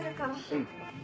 うん。